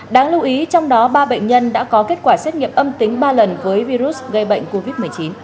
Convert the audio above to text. đáng lưu ý trong đó ba bệnh nhân đã có kết quả xét nghiệm âm tính ba lần với virus gây bệnh covid một mươi chín